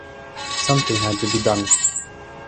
Something had to be done.